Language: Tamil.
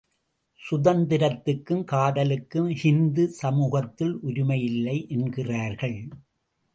சுதந்திரத்துக்கும் காதலுக்கும் ஹிந்து சமூகத்தில் உரிமை இல்லை என்கிறார்கள்.